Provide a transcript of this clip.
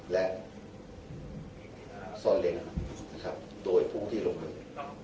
และซ่อนเล่นโดยภูที่ลงหนึ่ง